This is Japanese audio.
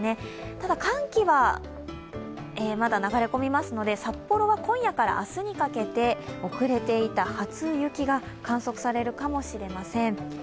ただ、寒気はまだ流れ込みますので札幌は今夜から明日にかけて遅れていた初雪が観測されるかもしれません。